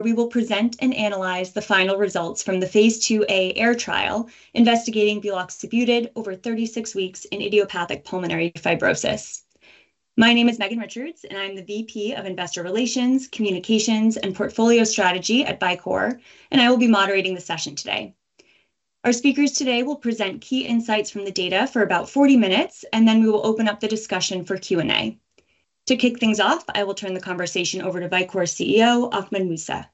We will present and analyze the final results from the Phase IIa AIR trial investigating buloxibutid over 36 weeks in idiopathic pulmonary fibrosis. My name is Megan Richards, and I'm the VP of Investor Relations, Communications, and Portfolio Strategy at Vicore, and I will be moderating the session today. Our speakers today will present key insights from the data for about 40 minutes, and then we will open up the discussion for Q&A. To kick things off, I will turn the conversation over to Vicore's CEO, Ahmed Mousa.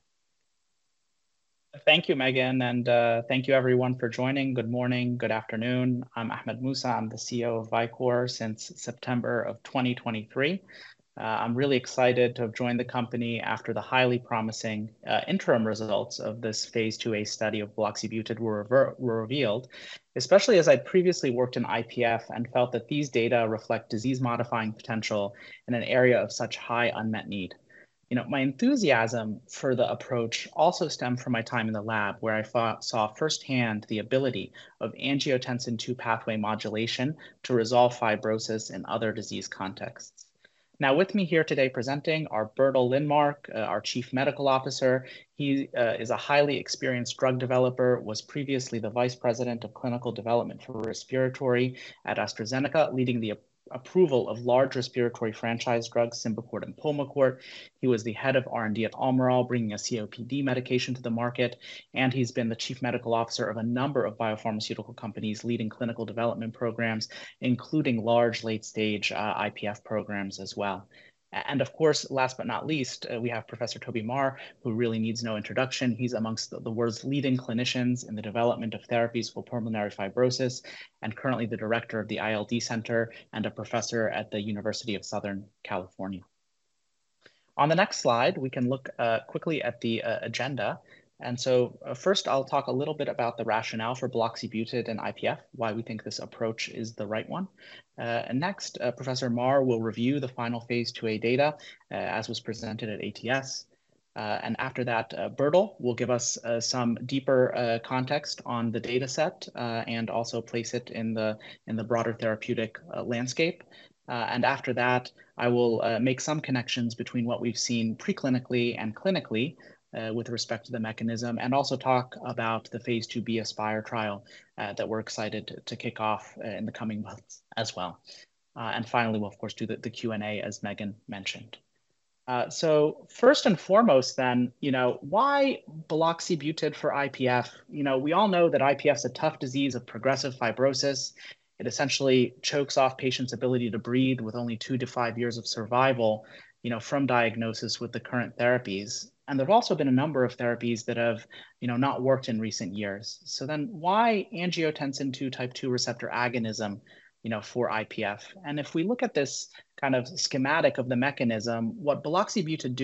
Thank you, Megan, and thank you everyone for joining. Good morning, good afternoon. I'm Ahmed Mousa. I'm the CEO of Vicore since September of 2023. I'm really excited to have joined the company after the highly promising interim results of this phase IIa study of buloxibutid were revealed, especially as I'd previously worked in IPF and felt that these data reflect disease-modifying potential in an area of such high unmet need. You know, my enthusiasm for the approach also stemmed from my time in the lab, where I saw firsthand the ability of angiotensin II pathway modulation to resolve fibrosis in other disease contexts. Now, with me here today presenting are Bertil Lindmark, our Chief Medical Officer. He is a highly experienced drug developer, was previously the Vice President of Clinical Development for Respiratory at AstraZeneca, leading the approval of large respiratory franchise drugs, Symbicort and Pulmicort. He was the Head of R&D at Almirall, bringing a COPD medication to the market, and he's been the Chief Medical Officer of a number of biopharmaceutical companies leading clinical development programs, including large late-stage IPF programs as well. And of course, last but not least, we have Professor Toby Maher, who really needs no introduction. He's amongst the world's leading clinicians in the development of therapies for pulmonary fibrosis, and currently the director of the ILD Center and a professor at the University of Southern California. On the next slide, we can look quickly at the agenda. And so, first, I'll talk a little bit about the rationale for buloxibutid and IPF, why we think this approach is the right one. And next, Professor Maher will review the final phase IIa data, as was presented at ATS. And after that, Bertil will give us some deeper context on the data set, and also place it in the broader therapeutic landscape. And after that, I will make some connections between what we've seen preclinically and clinically, with respect to the mechanism, and also talk about the phase IIb ASPIRE trial that we're excited to kick off in the coming months as well. And finally, we'll of course do the Q&A, as Megan mentioned. So first and foremost then, you know, why buloxibutid for IPF? You know, we all know that IPF is a tough disease of progressive fibrosis. It essentially chokes off patients' ability to breathe with only 2-5 years of survival, you know, from diagnosis with the current therapies. There have also been a number of therapies that have, you know, not worked in recent years. So then, why angiotensin II type II receptor agonism, you know, for IPF? And if we look at this kind of schematic of the mechanism, what buloxibutid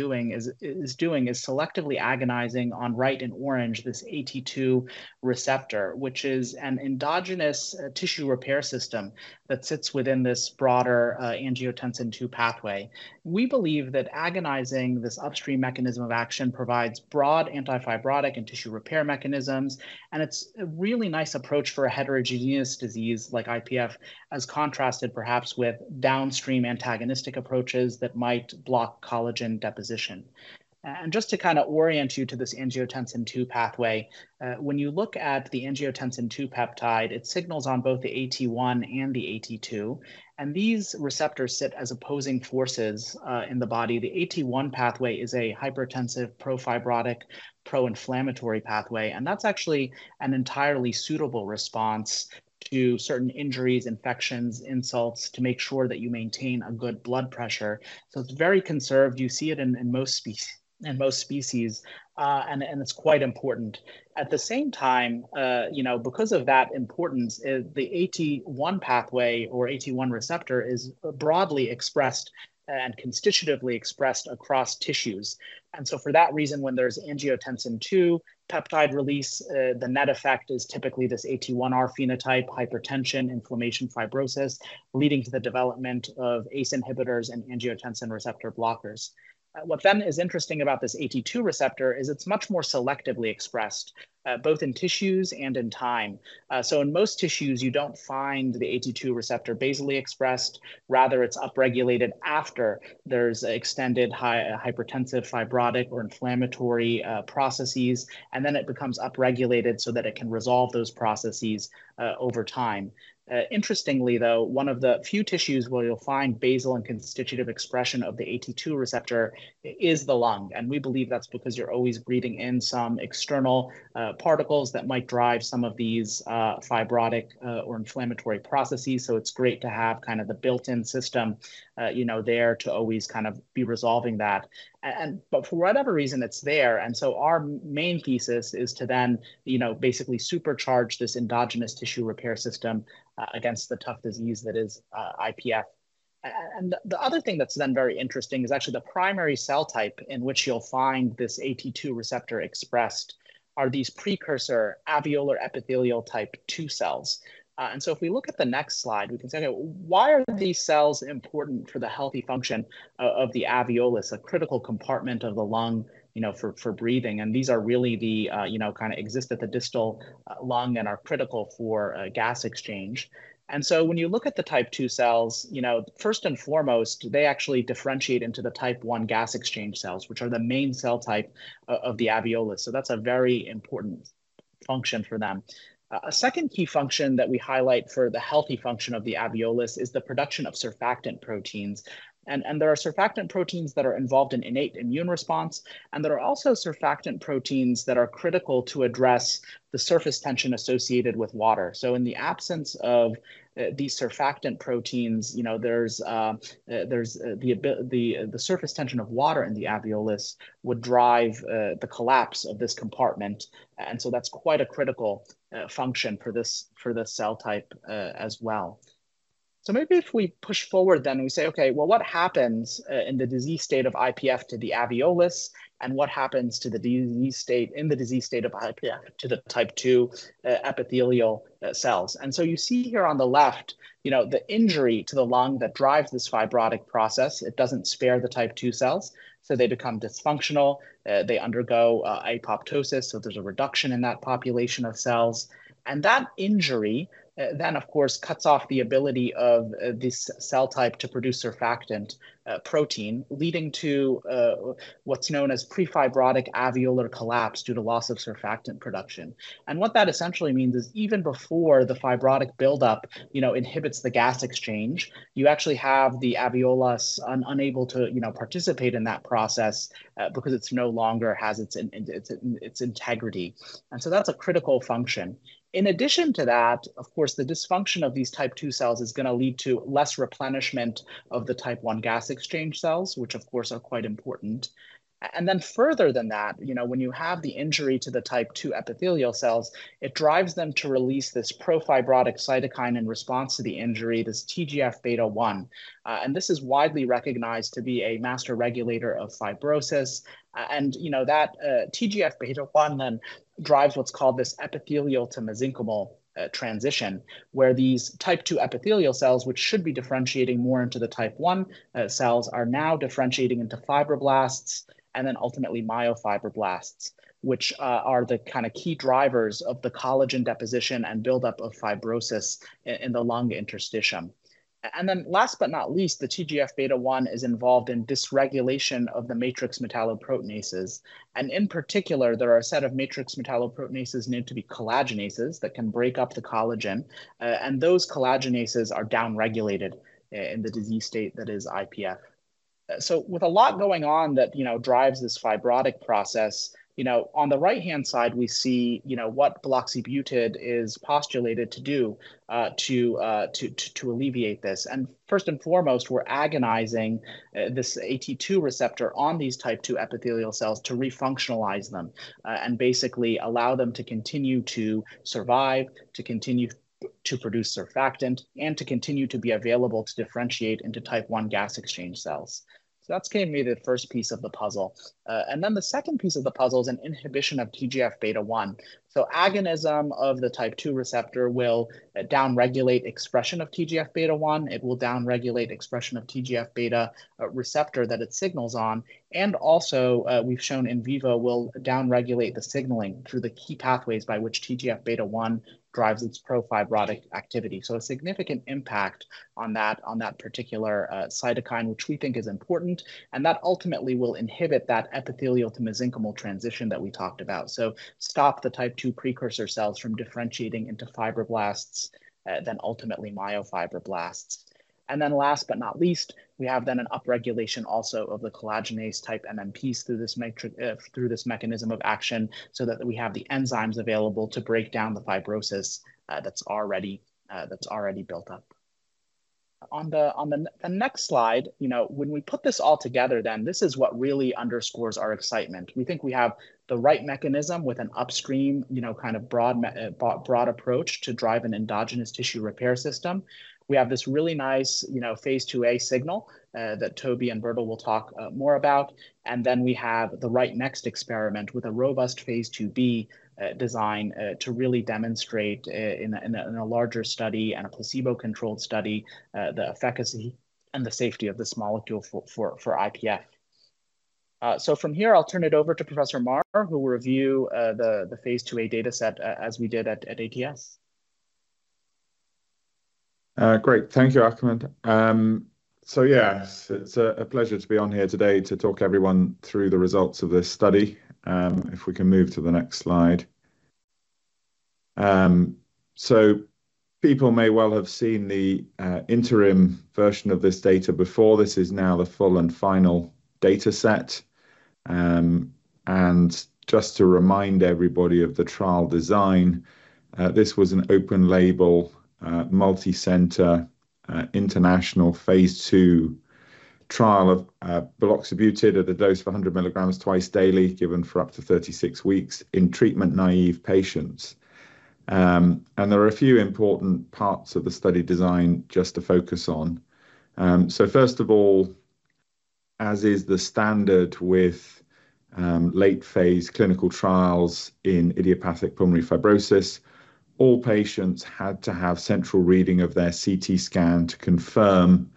is doing is selectively agonizing on right and orange, this AT2 receptor, which is an endogenous tissue repair system that sits within this broader, angiotensin II pathway. We believe that agonizing this upstream mechanism of action provides broad anti-fibrotic and tissue repair mechanisms, and it's a really nice approach for a heterogeneous disease like IPF, as contrasted perhaps with downstream antagonistic approaches that might block collagen deposition. Just to kind of orient you to this angiotensin II pathway, when you look at the angiotensin II peptide, it signals on both the AT1 and the AT2, and these receptors sit as opposing forces in the body. The AT1 pathway is a hypertensive, pro-fibrotic, pro-inflammatory pathway, and that's actually an entirely suitable response to certain injuries, infections, insults, to make sure that you maintain a good blood pressure. It's very conserved. You see it in most species, and it's quite important. At the same time, you know, because of that importance, the AT1 pathway or AT1 receptor is broadly expressed and constitutively expressed across tissues. And so for that reason, when there's angiotensin II peptide release, the net effect is typically this AT1R phenotype, hypertension, inflammation, fibrosis, leading to the development of ACE inhibitors and angiotensin receptor blockers. What then is interesting about this AT2 receptor is it's much more selectively expressed, both in tissues and in time. So in most tissues, you don't find the AT2 receptor basally expressed. Rather, it's upregulated after there's extended hypertensive, fibrotic, or inflammatory processes, and then it becomes upregulated so that it can resolve those processes, over time. Interestingly, though, one of the few tissues where you'll find basal and constitutive expression of the AT2 receptor is the lung, and we believe that's because you're always breathing in some external particles that might drive some of these fibrotic or inflammatory processes. So it's great to have kind of the built-in system, you know, there to always kind of be resolving that. And but for whatever reason, it's there, and so our main thesis is to then, you know, basically supercharge this endogenous tissue repair system against the tough disease that is IPF. And the other thing that's then very interesting is actually the primary cell type in which you'll find this AT2 receptor expressed are these precursor alveolar epithelial type two cells. And so if we look at the next slide, we can say, "Why are these cells important for the healthy function of the alveolus, a critical compartment of the lung, you know, for breathing?" And these are really the, you know, kind of exist at the distal lung and are critical for gas exchange. And so when you look at the type two cells, you know, first and foremost, they actually differentiate into the type one gas exchange cells, which are the main cell type of the alveolus, so that's a very important function for them. A second key function that we highlight for the healthy function of the alveolus is the production of surfactant proteins. There are surfactant proteins that are involved in innate immune response, and there are also surfactant proteins that are critical to address the surface tension associated with water. So in the absence of these surfactant proteins, you know, there's the surface tension of water in the alveolus would drive the collapse of this compartment, and so that's quite a critical function for this cell type as well. So maybe if we push forward, then we say, "Okay, well, what happens in the disease state of IPF to the alveolus, and what happens in the disease state of IPF to the Type II epithelial cells? You see here on the left, you know, the injury to the lung that drives this fibrotic process, it doesn't spare the Type II cells, so they become dysfunctional. They undergo apoptosis, so there's a reduction in that population of cells. That injury, then, of course, cuts off the ability of this cell type to produce surfactant protein, leading to what's known as pre-fibrotic alveolar collapse due to loss of surfactant production. What that essentially means is, even before the fibrotic buildup, you know, inhibits the gas exchange, you actually have the alveolus unable to, you know, participate in that process because it's no longer has its integrity. That's a critical function. In addition to that, of course, the dysfunction of these Type II cells is gonna lead to less replenishment of the Type I gas exchange cells, which of course, are quite important. And then further than that, you know, when you have the injury to the Type II epithelial cells, it drives them to release this pro-fibrotic cytokine in response to the injury, this TGF-beta 1. And this is widely recognized to be a master regulator of fibrosis. And, you know, that, TGF-beta 1 then drives what's called this epithelial-to-mesenchymal transition, where these Type II epithelial cells, which should be differentiating more into the Type I cells, are now differentiating into fibroblasts, and then ultimately myofibroblasts, which, are the kind of key drivers of the collagen deposition and buildup of fibrosis in the lung interstitium. And then last but not least, the TGF-beta 1 is involved in dysregulation of the matrix metalloproteinases. And in particular, there are a set of matrix metalloproteinases known to be collagenases that can break up the collagen, and those collagenases are downregulated in the disease state that is IPF. So with a lot going on that, you know, drives this fibrotic process, you know, on the right-hand side, we see, you know, what buloxibutid is postulated to do, to alleviate this. And first and foremost, we're agonizing this AT2 receptor on these Type II epithelial cells to refunctionalize them, and basically allow them to continue to survive, to continue to produce surfactant, and to continue to be available to differentiate into Type I gas exchange cells. So that's going to be the first piece of the puzzle. And then the second piece of the puzzle is an inhibition of TGF-beta 1. So agonism of the Type II receptor will downregulate expression of TGF-beta 1. It will downregulate expression of TGF-beta receptor that it signals on. And also, we've shown in vivo will downregulate the signaling through the key pathways by which TGF-beta 1 drives its pro-fibrotic activity. So a significant impact on that, on that particular cytokine, which we think is important, and that ultimately will inhibit that epithelial-to-mesenchymal transition that we talked about. So stop the Type II precursor cells from differentiating into fibroblasts, then ultimately myofibroblasts. And then last but not least, we have then an upregulation also of the collagenase-type MMPs through this mechanism of action, so that we have the enzymes available to break down the fibrosis that's already built up. On the next slide, you know, when we put this all together, then this is what really underscores our excitement. We think we have the right mechanism with an upstream, you know, kind of broad approach to drive an endogenous tissue repair system. We have this really nice, you know, phase IIa signal that Toby and Bertil will talk more about. Then we have the right next experiment with a robust Phase IIb design to really demonstrate in a larger study and a placebo-controlled study the efficacy and the safety of this molecule for IPF. From here, I'll turn it over to Professor Maher, who will review the Phase IIa data set as we did at ATS. Great. Thank you, Ahmed. So yeah, it's a pleasure to be on here today to talk everyone through the results of this study. If we can move to the next slide. So people may well have seen the interim version of this data before. This is now the full and final data set. And just to remind everybody of the trial design, this was an open-label, multicenter, international phase II trial of buloxibutid at a dose of 100 milligrams twice daily, given for up to 36 weeks in treatment-naïve patients. And there are a few important parts of the study design just to focus on. First of all, as is the standard with late-phase clinical trials in idiopathic pulmonary fibrosis, all patients had to have central reading of their CT scan to confirm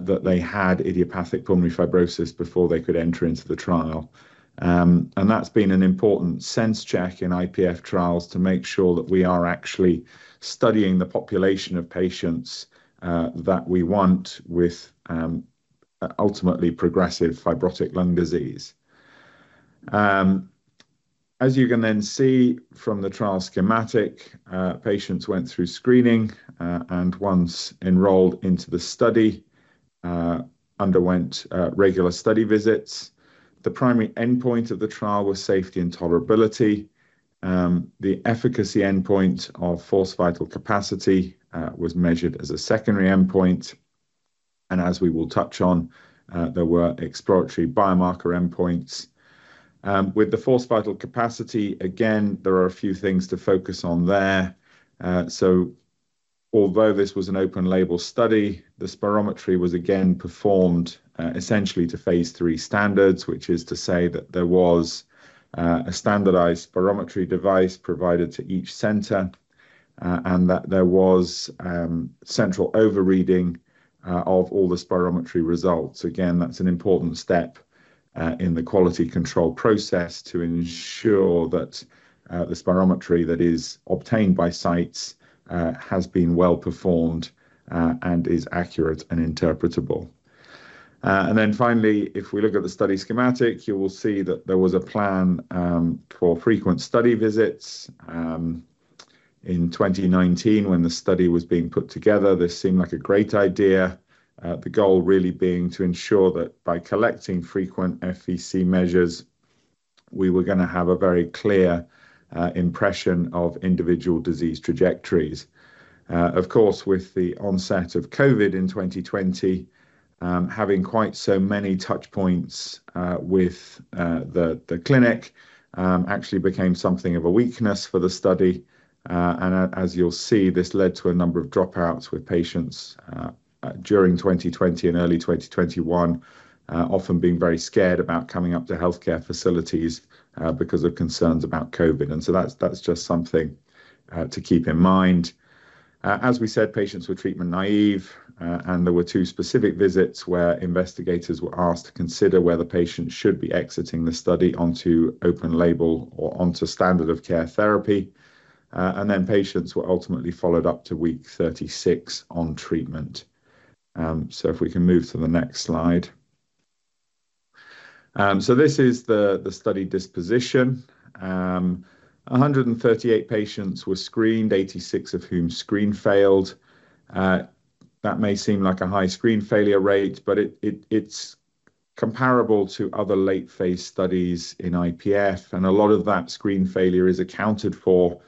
that they had idiopathic pulmonary fibrosis before they could enter into the trial. That's been an important sense check in IPF trials to make sure that we are actually studying the population of patients that we want with ultimately progressive fibrotic lung disease. As you can then see from the trial schematic, patients went through screening, and once enrolled into the study, underwent regular study visits. The primary endpoint of the trial was safety and tolerability. The efficacy endpoint of forced vital capacity was measured as a secondary endpoint, and as we will touch on, there were exploratory biomarker endpoints. With the forced vital capacity, again, there are a few things to focus on there. So although this was an open-label study, the spirometry was again performed, essentially to phase III standards, which is to say that there was a standardized spirometry device provided to each center, and that there was central overreading of all the spirometry results. Again, that's an important step in the quality control process to ensure that the spirometry that is obtained by sites has been well performed and is accurate and interpretable. And then finally, if we look at the study schematic, you will see that there was a plan for frequent study visits. In 2019, when the study was being put together, this seemed like a great idea. The goal really being to ensure that by collecting frequent FVC measures, we were gonna have a very clear impression of individual disease trajectories. Of course, with the onset of COVID in 2020, having quite so many touchpoints with the clinic actually became something of a weakness for the study. And as you'll see, this led to a number of dropouts with patients during 2020 and early 2021, often being very scared about coming up to healthcare facilities because of concerns about COVID. And so that's, that's just something to keep in mind. As we said, patients were treatment-naïve, and there were two specific visits where investigators were asked to consider whether patients should be exiting the study onto open label or onto standard of care therapy. And then, patients were ultimately followed up to week 36 on treatment. So if we can move to the next slide. So this is the study disposition. 138 patients were screened, 86 of whom screen failed. That may seem like a high screen failure rate, but it's comparable to other late-phase studies in IPF, and a lot of that screen failure is accounted for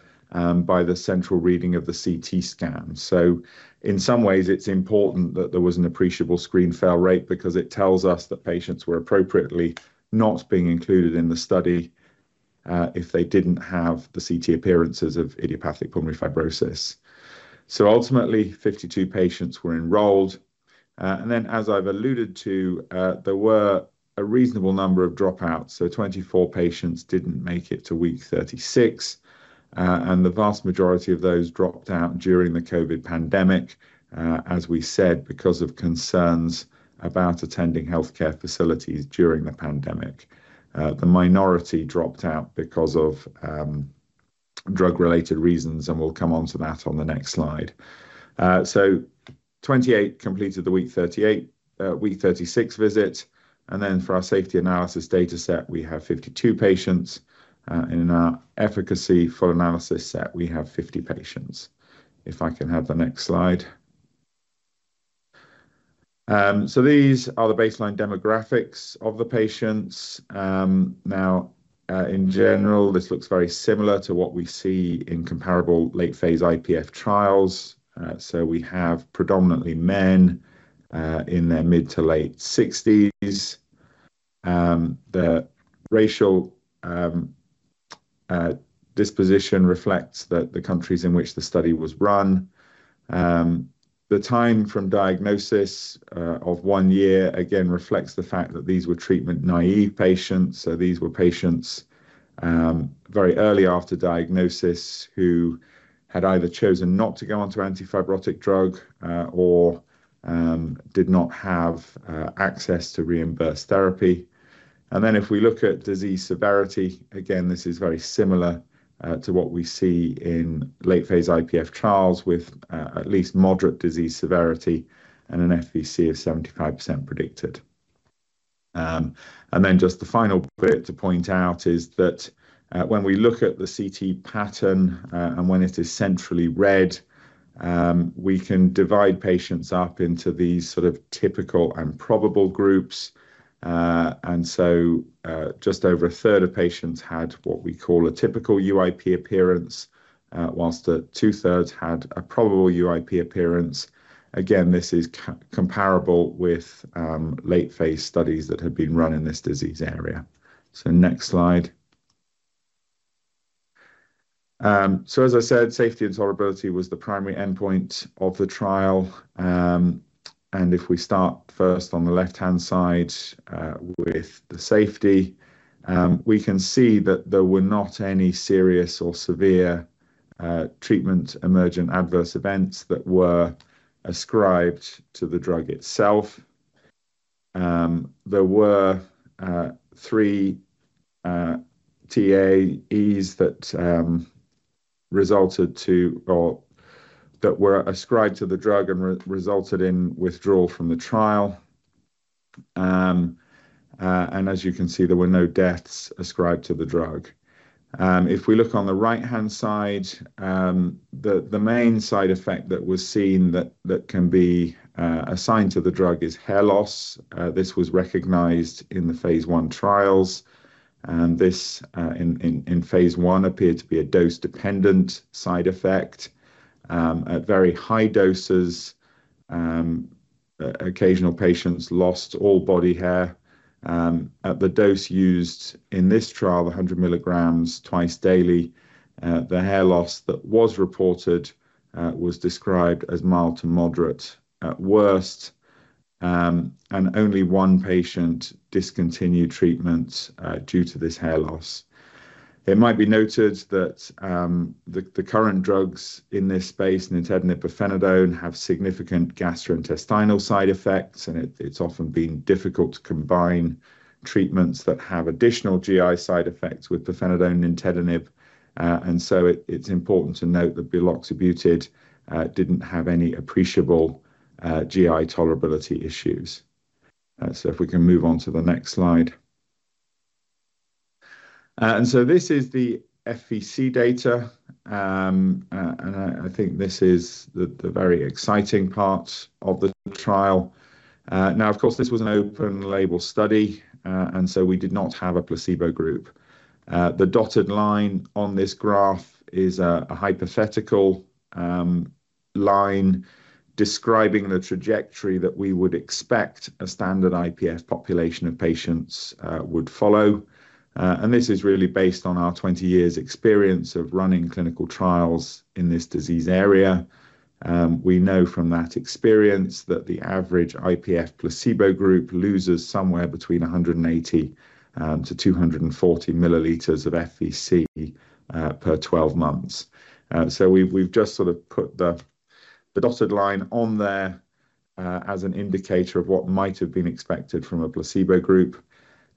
by the central reading of the CT scan. So in some ways, it's important that there was an appreciable screen fail rate because it tells us that patients were appropriately not being included in the study, if they didn't have the CT appearances of idiopathic pulmonary fibrosis. So ultimately, 52 patients were enrolled. And then, as I've alluded to, there were a reasonable number of dropouts. So 24 patients didn't make it to week 36, and the vast majority of those dropped out during the COVID pandemic, as we said, because of concerns about attending healthcare facilities during the pandemic. The minority dropped out because of drug-related reasons, and we'll come onto that on the next slide. So 28 completed the week 38, week 36 visit, and then for our safety analysis dataset, we have 52 patients. In our efficacy for analysis set, we have 50 patients. If I can have the next slide. So these are the baseline demographics of the patients. Now, in general, this looks very similar to what we see in comparable late-phase IPF trials. So we have predominantly men in their mid to late sixties. The racial disposition reflects that the countries in which the study was run. The time from diagnosis, of 1 year, again, reflects the fact that these were treatment-naïve patients. So these were patients, very early after diagnosis, who had either chosen not to go onto antifibrotic drug, or, did not have, access to reimbursed therapy. And then, if we look at disease severity, again, this is very similar, to what we see in late-phase IPF trials with, at least moderate disease severity and an FVC of 75% predicted. And then, just the final bit to point out is that, when we look at the CT pattern, and when it is centrally read, we can divide patients up into these sort of typical and probable groups. So, just over a third of patients had what we call a typical UIP appearance, while the two-thirds had a probable UIP appearance. Again, this is comparable with late-phase studies that have been run in this disease area. Next slide. As I said, safety and tolerability was the primary endpoint of the trial. If we start first on the left-hand side, with the safety, we can see that there were not any serious or severe treatment emergent adverse events that were ascribed to the drug itself. There were three TAEs that resulted to or that were ascribed to the drug and resulted in withdrawal from the trial. As you can see, there were no deaths ascribed to the drug. If we look on the right-hand side, the main side effect that was seen that can be assigned to the drug is hair loss. This was recognized in the phase I trials, and this in phase I appeared to be a dose-dependent side effect. At very high doses, occasional patients lost all body hair. At the dose used in this trial, the 100 milligrams twice daily, the hair loss that was reported was described as mild to moderate at worst, and only one patient discontinued treatment due to this hair loss. It might be noted that the current drugs in this space, nintedanib pirfenidone, have significant gastrointestinal side effects, and it's often been difficult to combine treatments that have additional GI side effects with pirfenidone nintedanib. And so it's important to note that buloxibutid didn't have any appreciable GI tolerability issues. So if we can move on to the next slide. And so this is the FVC data. And I think this is the very exciting part of the trial. Now, of course, this was an open-label study, and so we did not have a placebo group. The dotted line on this graph is a hypothetical line describing the trajectory that we would expect a standard IPF population of patients would follow. And this is really based on our 20 years experience of running clinical trials in this disease area. We know from that experience that the average IPF placebo group loses somewhere between 180-240 milliliters of FVC per 12 months. So we've just sort of put the dotted line on there as an indicator of what might have been expected from a placebo group.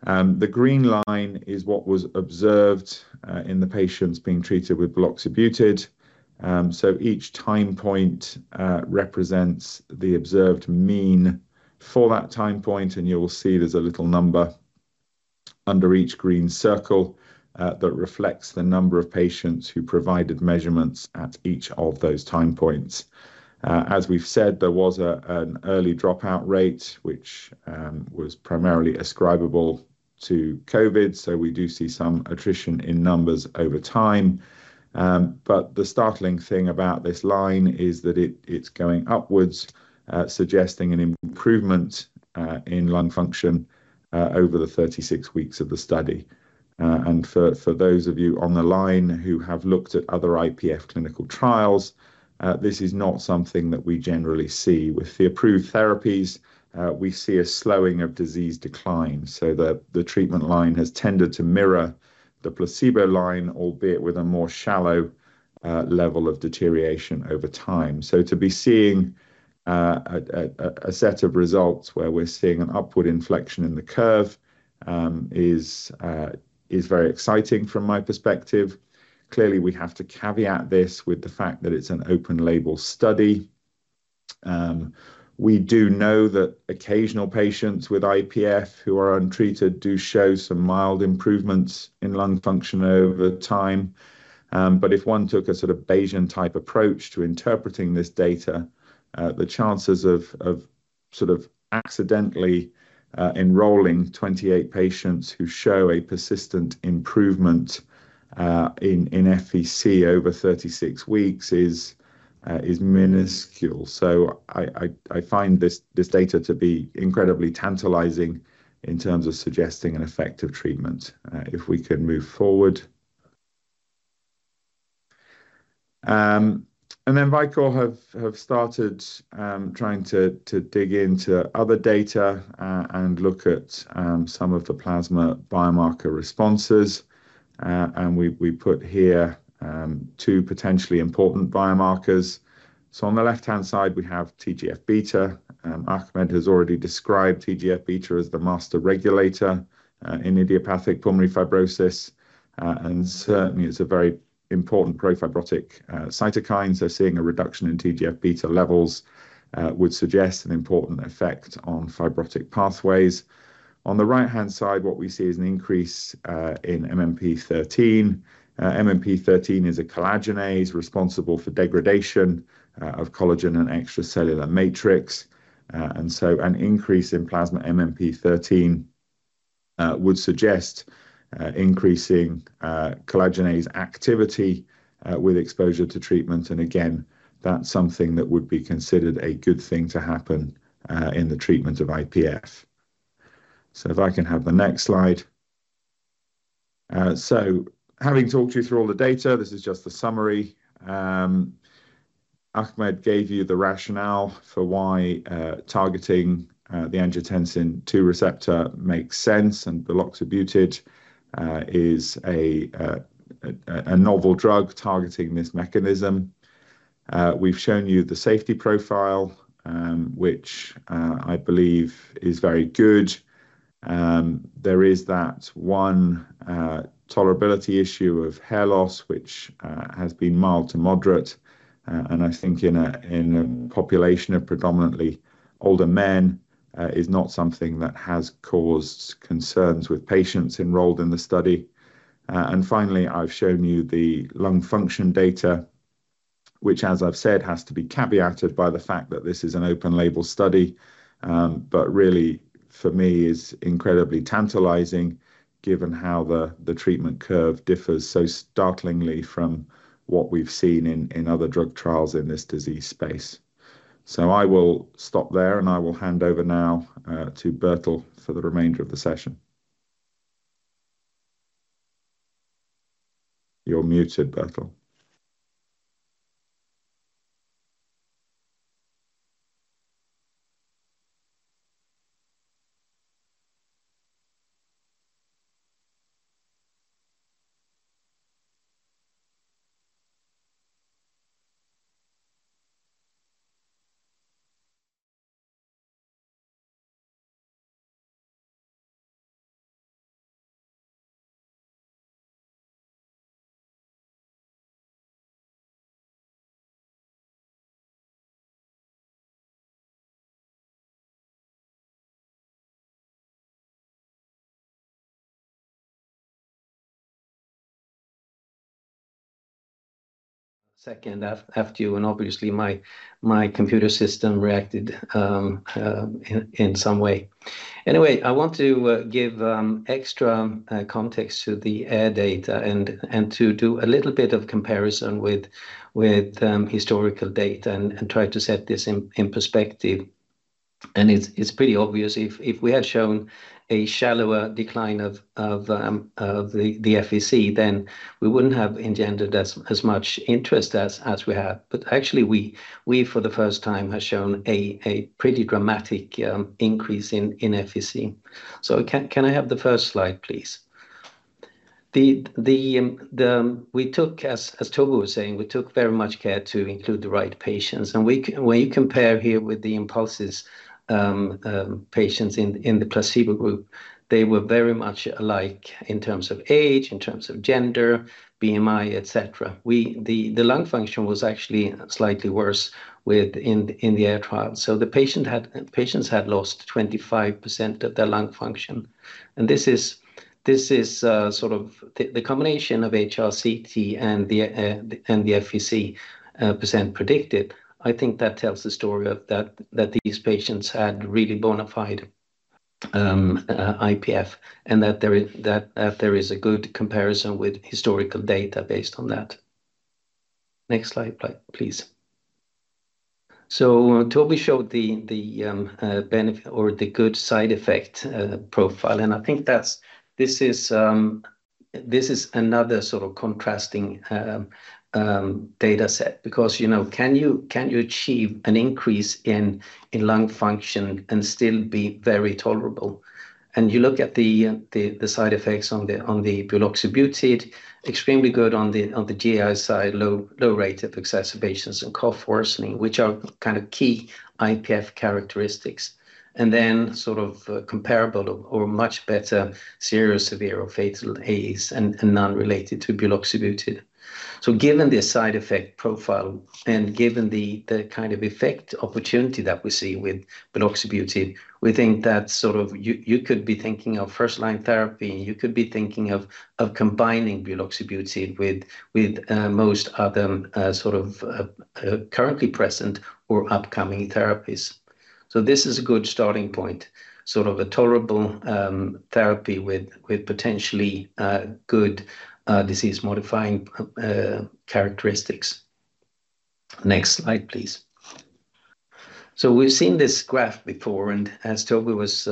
The green line is what was observed in the patients being treated with buloxibutid. So each time point represents the observed mean for that time point, and you'll see there's a little number under each green circle that reflects the number of patients who provided measurements at each of those time points. As we've said, there was an early dropout rate, which was primarily attributable to COVID, so we do see some attrition in numbers over time. But the startling thing about this line is that it, it's going upwards, suggesting an improvement in lung function over the 36 weeks of the study. And for those of you on the line who have looked at other IPF clinical trials, this is not something that we generally see. With the approved therapies, we see a slowing of disease decline, so the treatment line has tended to mirror the placebo line, albeit with a more shallow level of deterioration over time. So to be seeing a set of results where we're seeing an upward inflection in the curve is very exciting from my perspective. Clearly, we have to caveat this with the fact that it's an open label study. We do know that occasional patients with IPF who are untreated do show some mild improvements in lung function over time. But if one took a sort of Bayesian-type approach to interpreting this data, the chances of sort of accidentally enrolling 28 patients who show a persistent improvement in FVC over 36 weeks is minuscule. So I find this data to be incredibly tantalizing in terms of suggesting an effective treatment. If we can move forward. And then Vicore have started trying to dig into other data and look at some of the plasma biomarker responses, and we put here two potentially important biomarkers. So on the left-hand side, we have TGF-beta. Ahmed has already described TGF-beta as the master regulator in idiopathic pulmonary fibrosis, and certainly it's a very important pro-fibrotic cytokine. So seeing a reduction in TGF-beta levels would suggest an important effect on fibrotic pathways. On the right-hand side, what we see is an increase in MMP-13. MMP-13 is a collagenase responsible for degradation of collagen and extracellular matrix. And so an increase in plasma MMP-13 would suggest increasing collagenase activity with exposure to treatment, and again, that's something that would be considered a good thing to happen in the treatment of IPF. So if I can have the next slide. So having talked you through all the data, this is just the summary. Ahmed gave you the rationale for why targeting the angiotensin II receptor makes sense, and buloxibutid is a novel drug targeting this mechanism. We've shown you the safety profile, which I believe is very good. There is that one tolerability issue of hair loss, which has been mild to moderate, and I think in a population of predominantly older men is not something that has caused concerns with patients enrolled in the study. And finally, I've shown you the lung function data, which, as I've said, has to be caveated by the fact that this is an open label study. But really, for me, is incredibly tantalizing given how the treatment curve differs so startlingly from what we've seen in other drug trials in this disease space. I will stop there, and I will hand over now to Bertil for the remainder of the session. You're muted, Bertil. Second after you, and obviously my computer system reacted in some way. Anyway, I want to give extra context to the AIR data and to do a little bit of comparison with historical data and try to set this in perspective. It's pretty obvious if we had shown a shallower decline of the FVC, then we wouldn't have engendered as much interest as we have. But actually we, for the first time, have shown a pretty dramatic increase in FVC. So can I have the first slide, please? As Toby was saying, we took very much care to include the right patients, and when you compare here with the INPULSIS, patients in the placebo group, they were very much alike in terms of age, in terms of gender, BMI, et cetera. The lung function was actually slightly worse in the AIR trial. So patients had lost 25% of their lung function, and this is sort of the combination of HRCT and the FVC percent predicted. I think that tells the story that these patients had really bona fide IPF, and that there is a good comparison with historical data based on that. Next slide, please. So Toby showed the benefit or the good side effect profile, and I think that's... This is another sort of contrasting data set because, you know, can you, can you achieve an increase in lung function and still be very tolerable? And you look at the side effects on the buloxibutid, extremely good on the GI side, low rate of exacerbations and cough worsening, which are kind of key IPF characteristics, and then sort of comparable or much better serious, severe, or fatal AEs and non-related to buloxibutid. So given the side effect profile and given the kind of effect opportunity that we see with buloxibutid, we think that sort of you could be thinking of first line therapy, and you could be thinking of combining buloxibutid with most other sort of currently present or upcoming therapies. So this is a good starting point, sort of a tolerable therapy with potentially good disease-modifying characteristics. Next slide, please. So we've seen this graph before, and as Toby was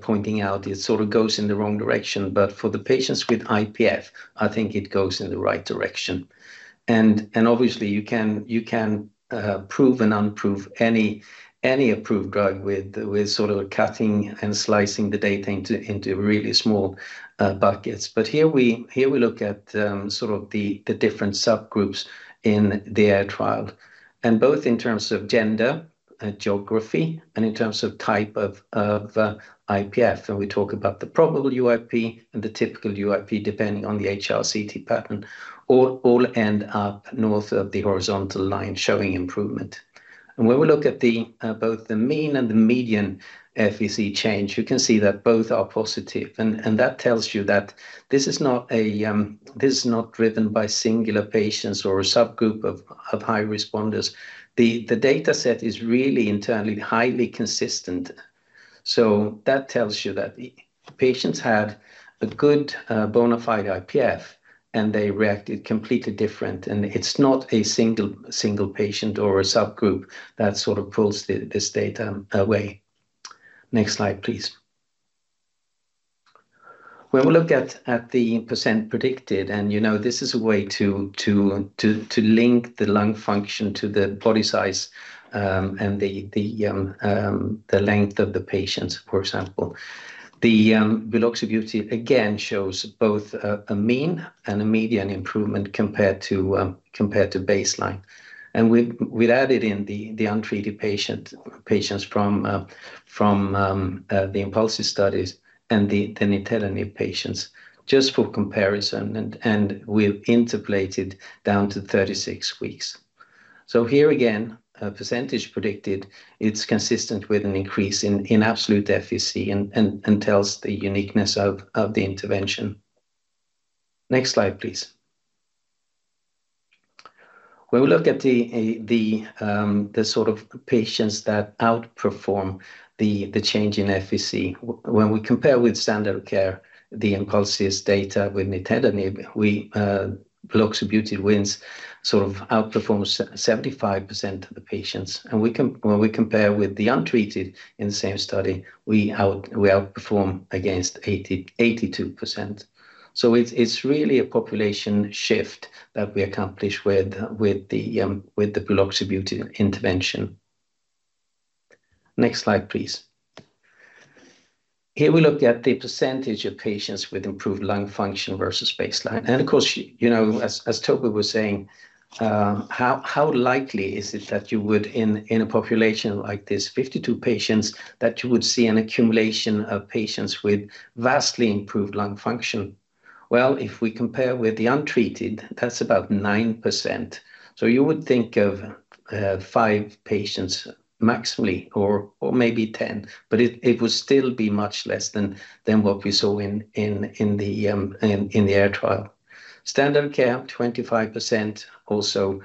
pointing out, it sort of goes in the wrong direction. But for the patients with IPF, I think it goes in the right direction. And obviously, you can prove and unprove any approved drug with sort of cutting and slicing the data into really small buckets. But here we look at sort of the different subgroups in the AIR trial, and both in terms of gender, geography, and in terms of type of IPF. We talk about the probable UIP and the typical UIP, depending on the HRCT pattern, all end up north of the horizontal line showing improvement. And when we look at both the mean and the median FVC change, you can see that both are positive, and that tells you that this is not driven by singular patients or a subgroup of high responders. The data set is really entirely highly consistent. So that tells you that the patients had a good bona fide IPF, and they reacted completely different. It's not a single patient or a subgroup that sort of pulls this data away. Next slide, please. When we look at the percent predicted, and, you know, this is a way to link the lung function to the body size, and the length of the patients, for example. The buloxibutid again shows both a mean and a median improvement compared to baseline. And we've added in the untreated patients from the INPULSIS studies and the nintedanib patients just for comparison, and we've interpolated down to 36 weeks. So here again, a percentage predicted, it's consistent with an increase in absolute FVC and tells the uniqueness of the intervention. Next slide, please. When we look at the sort of patients that outperform the change in FVC, when we compare with standard care, the INPULSIS data with nintedanib, buloxibutid wins, sort of outperforms 75% of the patients. And when we compare with the untreated in the same study, we outperform against 82%. So it's really a population shift that we accomplish with the buloxibutid intervention. Next slide, please. Here we look at the percentage of patients with improved lung function versus baseline. And of course, you know, as Toby was saying, how likely is it that you would in a population like this, 52 patients, that you would see an accumulation of patients with vastly improved lung function? Well, if we compare with the untreated, that's about 9%. So you would think of 5 patients maximally or maybe 10, but it would still be much less than what we saw in the AIR trial. Standard care, 25%, also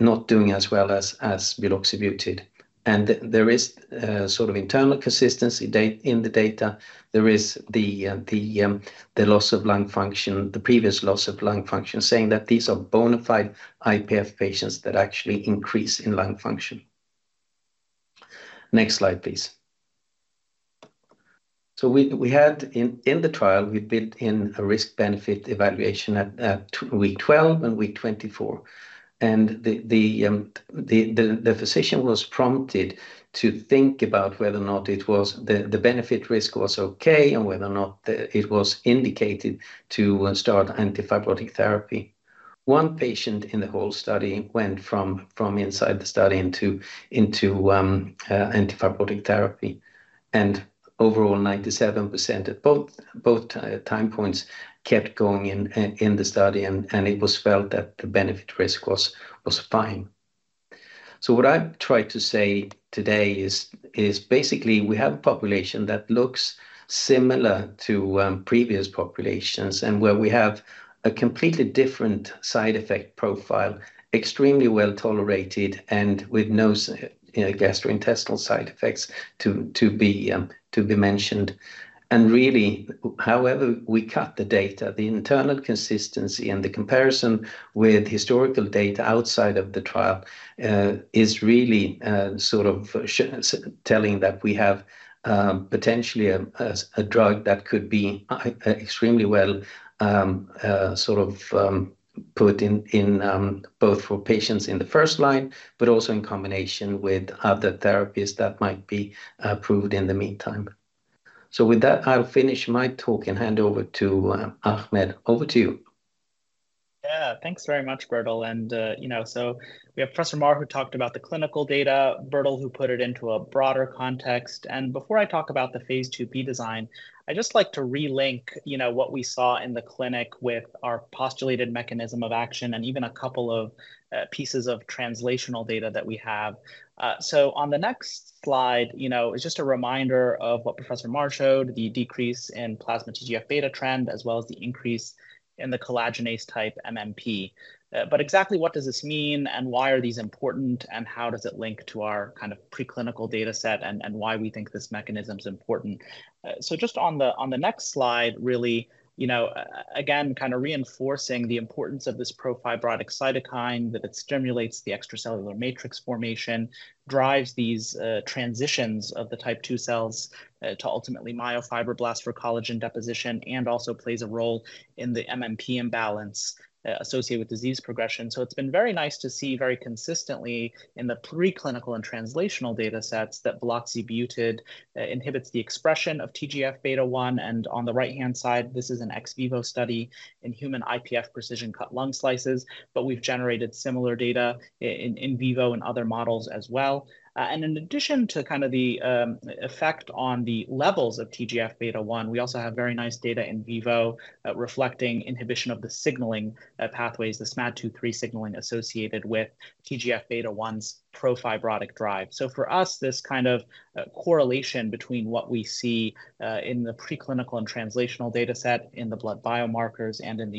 not doing as well as buloxibutid. And there is sort of internal consistency data in the data. There is the loss of lung function, the previous loss of lung function, saying that these are bona fide IPF patients that actually increase in lung function. Next slide, please. So we had in the trial, we built in a risk-benefit evaluation at week 12 and week 24. And the physician was prompted to think about whether or not it was the benefit-risk was okay and whether or not it was indicated to start anti-fibrotic therapy. One patient in the whole study went from inside the study into anti-fibrotic therapy, and overall, 97% at both time points kept going in the study, and it was felt that the benefit-risk was fine. So what I've tried to say today is basically we have a population that looks similar to previous populations and where we have a completely different side effect profile, extremely well-tolerated, and with no, you know, gastrointestinal side effects to be mentioned. Really, however we cut the data, the internal consistency and the comparison with historical data outside of the trial is really sort of telling that we have potentially a drug that could be extremely well sort of put in both for patients in the first line, but also in combination with other therapies that might be approved in the meantime. So with that, I'll finish my talk and hand over to Ahmed. Over to you. Yeah, thanks very much, Bertil. And, you know, so we have Professor Maher who talked about the clinical data, Bertil, who put it into a broader context. And before I talk about the phase IIb design, I'd just like to relink, you know, what we saw in the clinic with our postulated mechanism of action and even a couple of pieces of translational data that we have. So on the next slide, you know, it's just a reminder of what Professor Maher showed, the decrease in plasma TGF-beta trend, as well as the increase in the collagenase type MMP. But exactly what does this mean, and why are these important, and how does it link to our kind of preclinical data set and why we think this mechanism's important? So just on the next slide, really, you know, again, kind of reinforcing the importance of this pro-fibrotic cytokine, that it stimulates the extracellular matrix formation, drives these transitions of the type II cells to ultimately myofibroblasts for collagen deposition, and also plays a role in the MMP imbalance associated with disease progression. So it's been very nice to see very consistently in the preclinical and translational data sets that buloxibutid inhibits the expression of TGF-beta 1. And on the right-hand side, this is an ex vivo study in human IPF precision cut lung slices, but we've generated similar data in vivo and other models as well. And in addition to kind of the effect on the levels of TGF-beta 1, we also have very nice data in vivo, reflecting inhibition of the signaling pathways, the SMAD2/3 signaling associated with TGF-beta 1's pro-fibrotic drive. So for us, this kind of correlation between what we see in the preclinical and translational data set, in the blood biomarkers, and in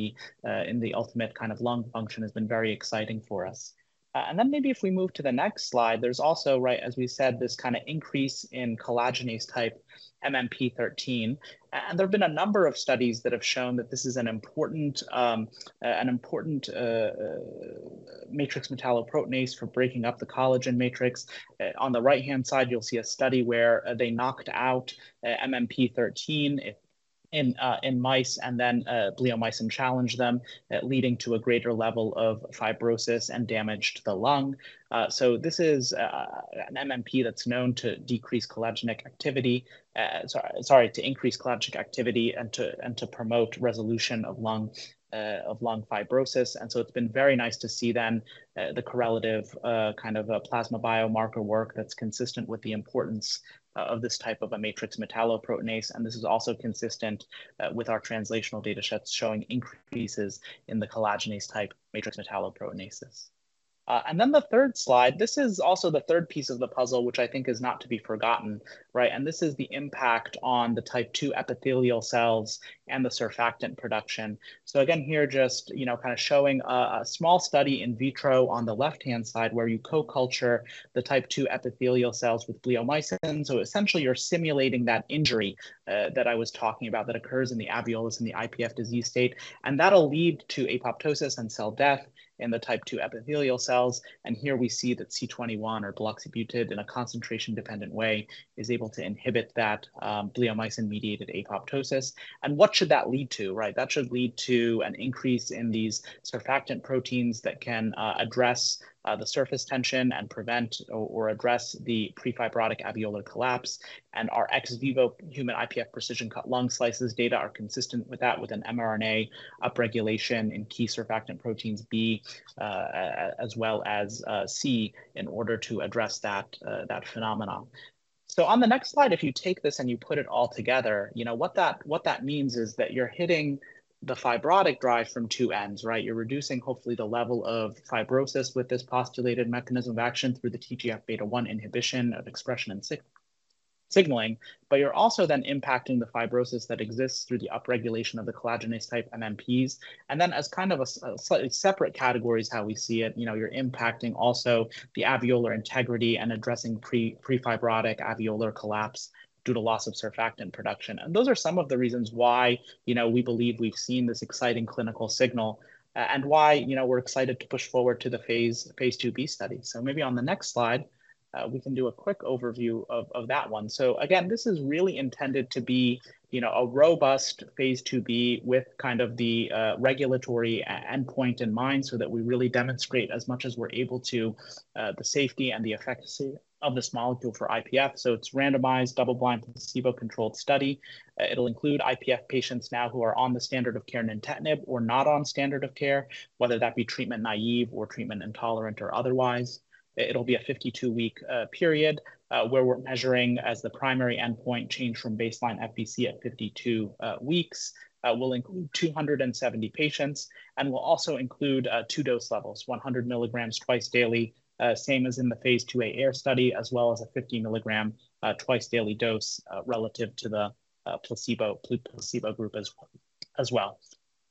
the ultimate kind of lung function has been very exciting for us. And then maybe if we move to the next slide, there's also, right, as we said, this kind of increase in collagenase type MMP-13. And there have been a number of studies that have shown that this is an important matrix metalloproteinase for breaking up the collagen matrix. On the right-hand side, you'll see a study where they knocked out MMP-13 in mice and then bleomycin challenged them, leading to a greater level of fibrosis and damage to the lung. So this is an MMP that's known to decrease collagenase activity, sorry, sorry, to increase collagenase activity and to promote resolution of lung fibrosis. And so it's been very nice to see then the correlative kind of a plasma biomarker work that's consistent with the importance of this type of a matrix metalloproteinase. And this is also consistent with our translational data sets showing increases in the collagenase type matrix metalloproteinases. And then the third slide, this is also the third piece of the puzzle, which I think is not to be forgotten, right? This is the impact on the type II epithelial cells and the surfactant production. Again, here, just, you know, kind of showing a small study in vitro on the left-hand side, where you co-culture the type II epithelial cells with bleomycin. Essentially, you're simulating that injury, that I was talking about that occurs in the alveolus in the IPF disease state, and that'll lead to apoptosis and cell death in the type II epithelial cells. Here we see that C21 or buloxibutid, in a concentration-dependent way, is able to inhibit that, bleomycin-mediated apoptosis. What should that lead to, right? That should lead to an increase in these surfactant proteins that can address the surface tension and prevent or address the prefibrotic alveolar collapse. Our ex vivo human IPF precision-cut lung slices data are consistent with that, with an mRNA upregulation in key surfactant proteins B, as well as, C in order to address that, that phenomenon. So on the next slide, if you take this and you put it all together, you know, what that means is that you're hitting the fibrotic drive from two ends, right? You're reducing, hopefully, the level of fibrosis with this postulated mechanism of action through the TGF-beta 1 inhibition of expression and signaling, but you're also then impacting the fibrosis that exists through the upregulation of the collagenase-type MMPs. And then, as kind of a slightly separate categories, how we see it, you know, you're impacting also the alveolar integrity and addressing prefibrotic alveolar collapse due to loss of surfactant production. Those are some of the reasons why, you know, we believe we've seen this exciting clinical signal, and why, you know, we're excited to push forward to the phase IIb study. Maybe on the next slide, we can do a quick overview of that one. Again, this is really intended to be, you know, a robust phase IIb with kind of the regulatory endpoint in mind, so that we really demonstrate as much as we're able to, the safety and the efficacy of this molecule for IPF. It's randomized, double-blind, placebo-controlled study. It'll include IPF patients now who are on the standard of care, nintedanib, or not on standard of care, whether that be treatment naive or treatment intolerant or otherwise. It'll be a 52-week period where we're measuring as the primary endpoint change from baseline FVC at 52 weeks. We'll include 270 patients, and we'll also include two dose levels, 100 milligrams twice daily, same as in the phase IIa AIR study, as well as a 50 milligram twice daily dose, relative to the placebo, placebo group as well.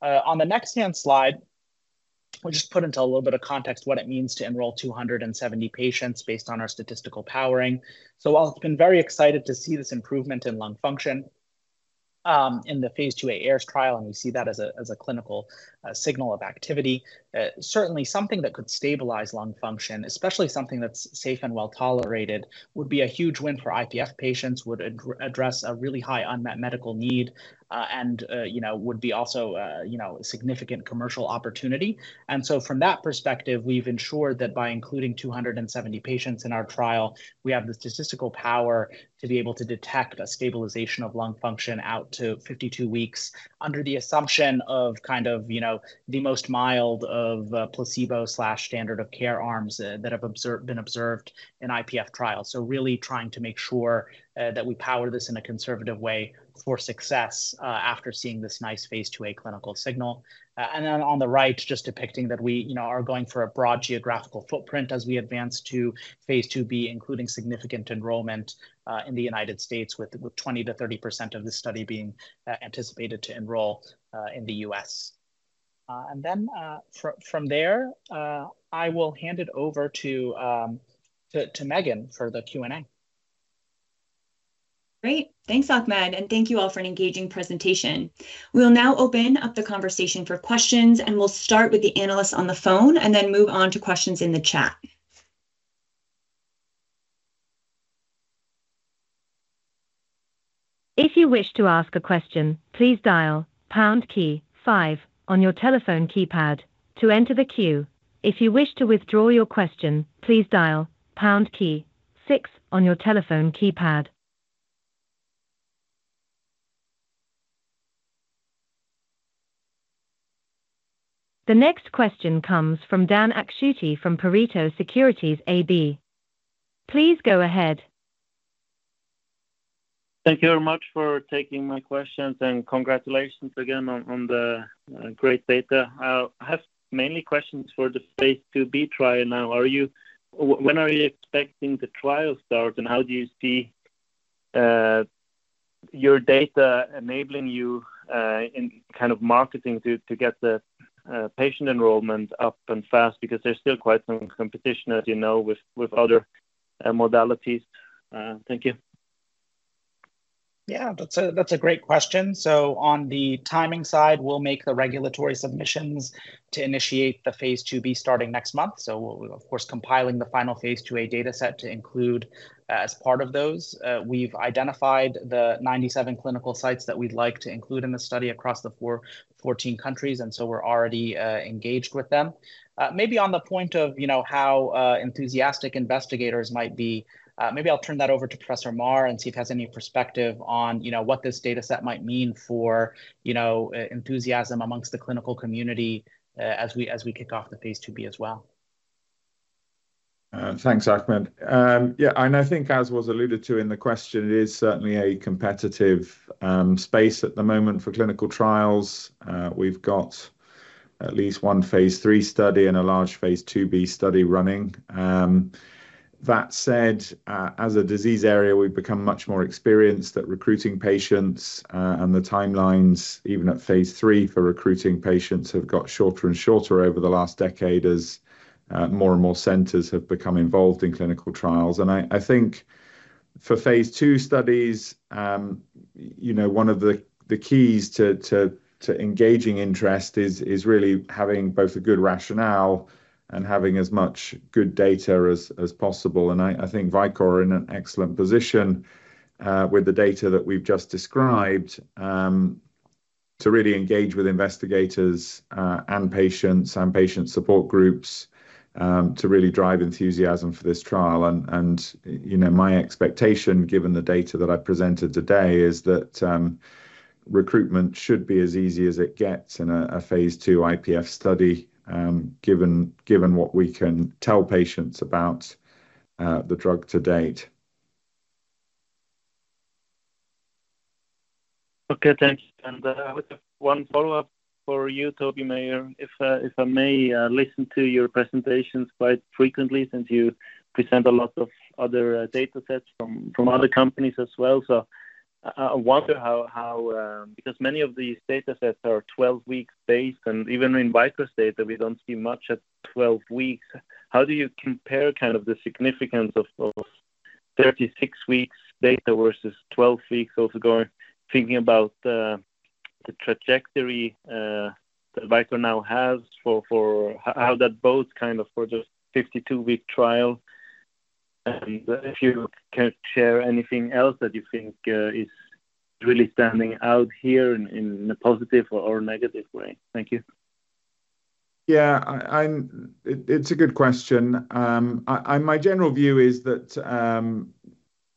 On the next hand slide, we'll just put into a little bit of context what it means to enroll 270 patients based on our statistical powering. So while I've been very excited to see this improvement in lung function, in the phase II AIR trial, and we see that as a clinical signal of activity, certainly something that could stabilize lung function, especially something that's safe and well-tolerated, would be a huge win for IPF patients, would address a really high unmet medical need, and, you know, would be also, you know, a significant commercial opportunity. And so from that perspective, we've ensured that by including 270 patients in our trial, we have the statistical power to be able to detect a stabilization of lung function out to 52 weeks, under the assumption of kind of, you know, the most mild of placebo/standard of care arms, that have been observed in IPF trials. So really trying to make sure that we power this in a conservative way for success after seeing this nice phase IIa clinical signal. And then on the right, just depicting that we, you know, are going for a broad geographical footprint as we advance to phase IIb, including significant enrollment in the United States, with twenty to thirty percent of this study being anticipated to enroll in the U.S. And then from there I will hand it over to Megan for the Q&A. Great! Thanks, Ahmed, and thank you all for an engaging presentation. We'll now open up the conversation for questions, and we'll start with the analysts on the phone and then move on to questions in the chat. If you wish to ask a question, please dial pound key five on your telephone keypad to enter the queue. If you wish to withdraw your question, please dial pound key six on your telephone keypad. The next question comes from Dan Akschuti from Pareto Securities AB. Please go ahead. Thank you very much for taking my questions, and congratulations again on the great data. I have mainly questions for the Phase IIb trial now. When are you expecting the trial start, and how do you see your data enabling you in kind of marketing to get the patient enrollment up and fast? Because there's still quite some competition, as you know, with other modalities. Thank you. ... Yeah, that's a, that's a great question. So on the timing side, we'll make the regulatory submissions to initiate the phase IIb starting next month. So we're, of course, compiling the final phase IIa data set to include as part of those. We've identified the 97 clinical sites that we'd like to include in the study across the 14 countries, and so we're already engaged with them. Maybe on the point of, you know, how enthusiastic investigators might be, maybe I'll turn that over to Professor Maher and see if he has any perspective on, you know, what this data set might mean for, you know, enthusiasm amongst the clinical community, as we, as we kick off the phase IIb as well. Thanks, Ahmed. Yeah, and I think as was alluded to in the question, it is certainly a competitive space at the moment for clinical trials. We've got at least one phase III study and a large phase IIb study running. That said, as a disease area, we've become much more experienced at recruiting patients, and the timelines, even at phase III for recruiting patients, have got shorter and shorter over the last decade as more and more centers have become involved in clinical trials. I think for phase II studies, you know, one of the keys to engaging interest is really having both a good rationale and having as much good data as possible. I think Vicore are in an excellent position with the data that we've just described to really engage with investigators and patients and patient support groups to really drive enthusiasm for this trial. And you know, my expectation, given the data that I presented today, is that recruitment should be as easy as it gets in a phase II IPF study, given what we can tell patients about the drug to date. Okay, thanks. And I would have one follow-up for you, Toby Maher, if I may. I listen to your presentations quite frequently, since you present a lot of other data sets from other companies as well. So I wonder how, how—because many of these data sets are 12-week based, and even in Vicore's data, we don't see much at 12 weeks. How do you compare kind of the significance of those 36 weeks data versus 12 weeks of going...? Thinking about the trajectory that Vicore now has for... How that bodes kind of for the 52-week trial? And if you can share anything else that you think is really standing out here in a positive or negative way. Thank you. Yeah, it's a good question. My general view is that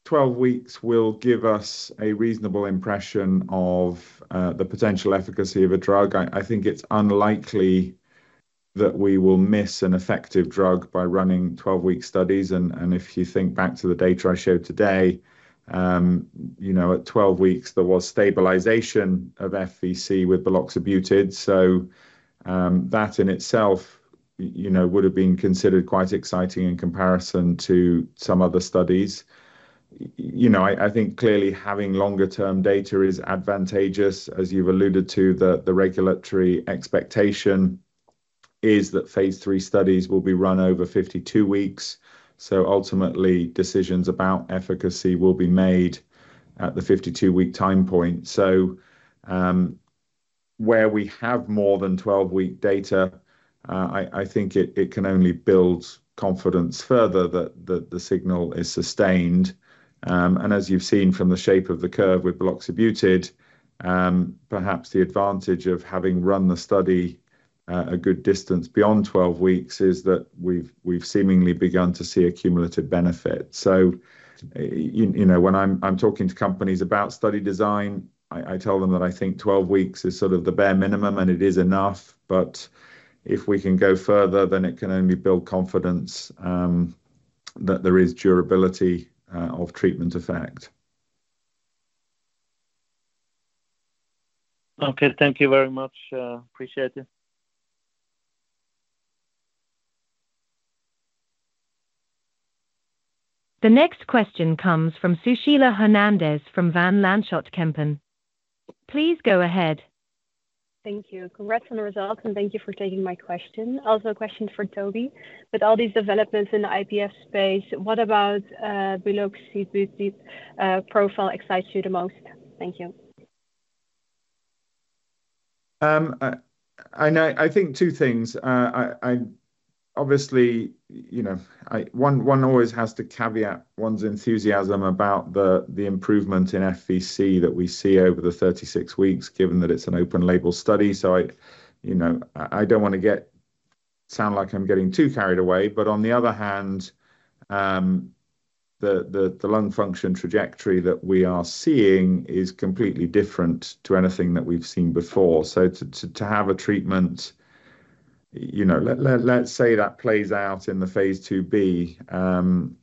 12 weeks will give us a reasonable impression of the potential efficacy of a drug. I think it's unlikely that we will miss an effective drug by running 12-week studies. And if you think back to the data I showed today, you know, at 12 weeks, there was stabilization of FVC with buloxibutid. So, that in itself, you know, would have been considered quite exciting in comparison to some other studies. You know, I think clearly having longer-term data is advantageous. As you've alluded to, the regulatory expectation is that phase III studies will be run over 52 weeks. So ultimately, decisions about efficacy will be made at the 52-week time point. So, where we have more than 12-week data, I think it can only build confidence further that the signal is sustained. And as you've seen from the shape of the curve with buloxibutid, perhaps the advantage of having run the study a good distance beyond 12 weeks is that we've seemingly begun to see a cumulative benefit. So, you know, when I'm talking to companies about study design, I tell them that I think 12 weeks is sort of the bare minimum, and it is enough, but if we can go further, then it can only build confidence that there is durability of treatment effect. Okay. Thank you very much. Appreciate it. The next question comes from Sushila Hernandez from Van Lanschot Kempen. Please go ahead. Thank you. Congrats on the results, and thank you for taking my question. Also, a question for Toby. With all these developments in the IPF space, what about, buloxibutid, profile excites you the most? Thank you. I know—I think two things. I obviously, you know, I... One always has to caveat one's enthusiasm about the improvement in FVC that we see over the 36 weeks, given that it's an open label study. So I, you know, don't wanna get... sound like I'm getting too carried away. But on the other hand, the lung function trajectory that we are seeing is completely different to anything that we've seen before. So to have a treatment, you know, let's say, that plays out in the phase IIb,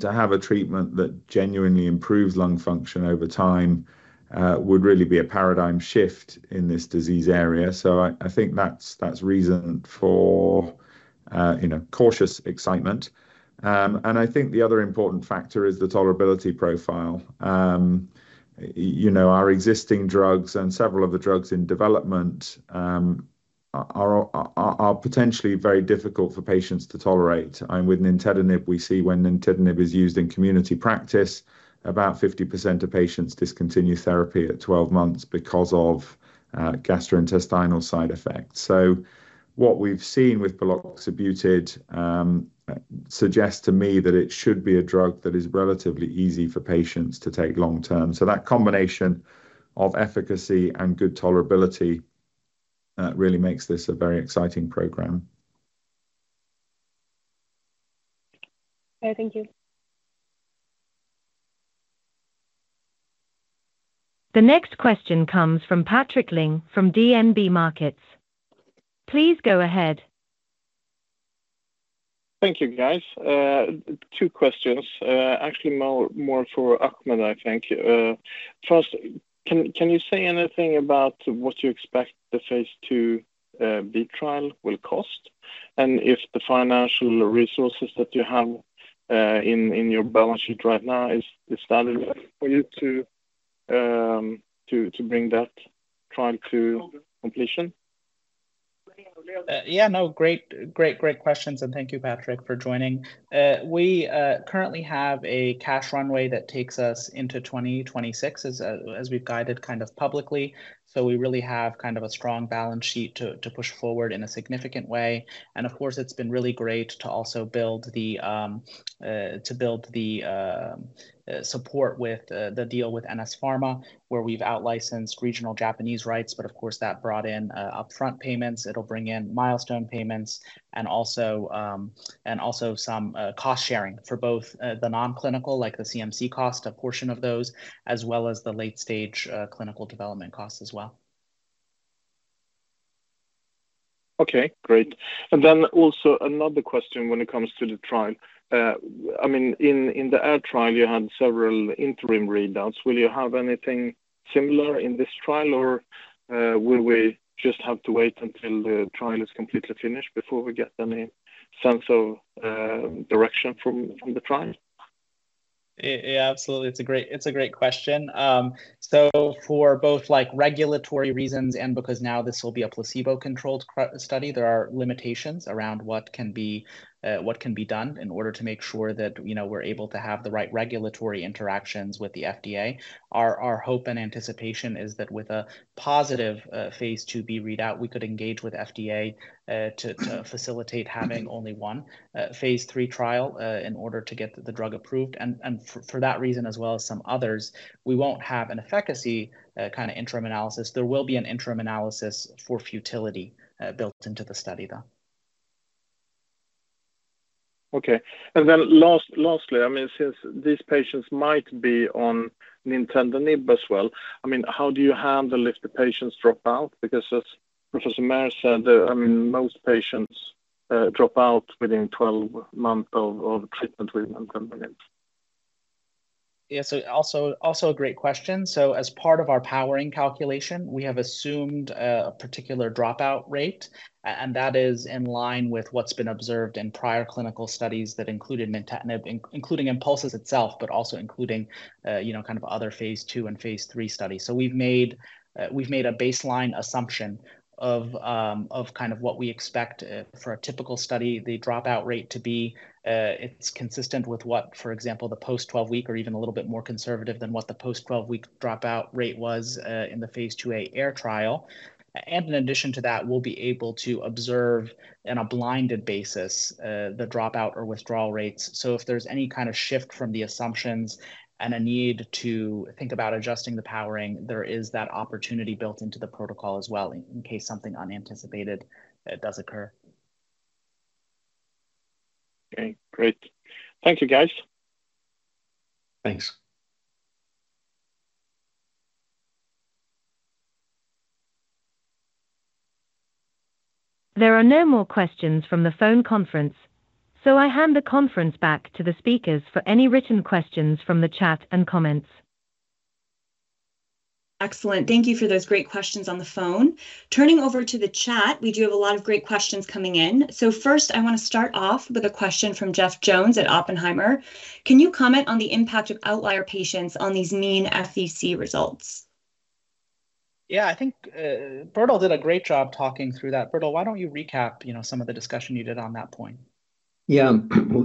to have a treatment that genuinely improves lung function over time, would really be a paradigm shift in this disease area. So I think that's reason for, you know, cautious excitement. I think the other important factor is the tolerability profile. You know, our existing drugs and several of the drugs in development are potentially very difficult for patients to tolerate. And with nintedanib, we see when nintedanib is used in community practice, about 50% of patients discontinue therapy at 12 months because of gastrointestinal side effects. So what we've seen with Buloxibutid suggests to me that it should be a drug that is relatively easy for patients to take long-term. So that combination of efficacy and good tolerability really makes this a very exciting program. Okay, thank you. The next question comes from Patrik Ling from DNB Markets. Please go ahead. Thank you, guys. Two questions, actually, more for Ahmed, I think. First, can you say anything about what you expect the phase 2b trial will cost, and if the financial resources that you have in your balance sheet right now is sufficient for you to bring that trial to completion? Yeah, no, great, great, great questions, and thank you, Patrik, for joining. We currently have a cash runway that takes us into 2026, as we've guided kind of publicly. So we really have kind of a strong balance sheet to push forward in a significant way, and of course, it's been really great to also build the support with the deal with NS Pharma, where we've outlicensed regional Japanese rights. But of course, that brought in upfront payments. It'll bring in milestone payments and also some cost-sharing for both the non-clinical, like the CMC cost, a portion of those, as well as the late-stage clinical development costs as well. Okay, great. And then also another question when it comes to the trial. I mean, in the AIR trial, you had several interim readouts. Will you have anything similar in this trial, or will we just have to wait until the trial is completely finished before we get any sense of direction from the trial? Yeah, absolutely. It's a great, it's a great question. So for both, like, regulatory reasons, and because now this will be a placebo-controlled study, there are limitations around what can be, what can be done in order to make sure that, you know, we're able to have the right regulatory interactions with the FDA. Our hope and anticipation is that with a positive phase 2b readout, we could engage with FDA to facilitate having only one phase 3 trial in order to get the drug approved. And for that reason, as well as some others, we won't have an efficacy kind of interim analysis. There will be an interim analysis for futility built into the study, though. Okay. And then lastly, I mean, since these patients might be on nintedanib as well, I mean, how do you handle if the patients drop out? Because as Professor Maher said, I mean, most patients drop out within 12 months of treatment with nintedanib. Yeah. So also a great question. So as part of our powering calculation, we have assumed a particular dropout rate, and that is in line with what's been observed in prior clinical studies that included nintedanib, including IMPULSS itself, but also including, you know, kind of other phase 2 and phase 3 studies. So we've made a baseline assumption of kind of what we expect for a typical study, the dropout rate to be. It's consistent with what, for example, the post-12-week or even a little bit more conservative than what the post-12-week dropout rate was in the phase 2a AIR trial. And in addition to that, we'll be able to observe in a blinded basis the dropout or withdrawal rates. So if there's any kind of shift from the assumptions and a need to think about adjusting the powering, there is that opportunity built into the protocol as well in case something unanticipated does occur. Okay, great. Thank you, guys. Thanks. There are no more questions from the phone conference, so I hand the conference back to the speakers for any written questions from the chat and comments. Excellent. Thank you for those great questions on the phone. Turning over to the chat, we do have a lot of great questions coming in. So first, I want to start off with a question from Jeff Jones at Oppenheimer: "Can you comment on the impact of outlier patients on these mean FVC results? Yeah, I think, Bertil did a great job talking through that. Bertil, why don't you recap, you know, some of the discussion you did on that point? Yeah.